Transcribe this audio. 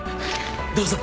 どうぞ。